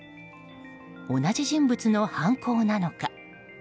同じ人物の犯行なのか？